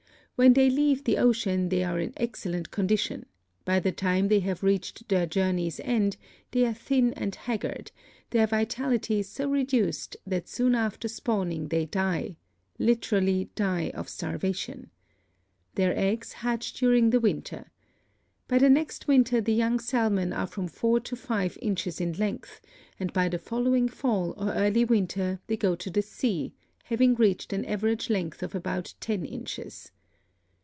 When they leave the ocean they are in excellent condition, by the time they have reached their journey's end they are thin and haggard, their vitality is so reduced that soon after spawning they die literally die of starvation. Their eggs hatch during the winter. By the next winter the young salmon are from four to five inches in length, and by the following fall or early winter they go to the sea, having reached an average length of about ten inches.